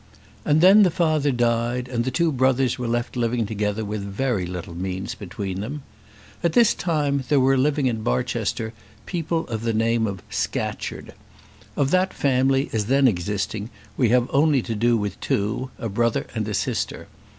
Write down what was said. And then the father died, and the two brothers were left living together with very little means between them. At this time there were living, in Barchester, people of the name of Scatcherd. Of that family, as then existing, we have only to do with two, a brother and a sister.